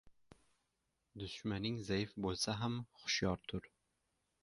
• Dushmaning zaif bo‘lsa ham xushyor tur.